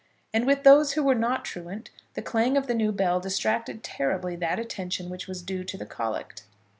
And with those who were not truant the clang of the new bell distracted terribly that attention which was due to the collect.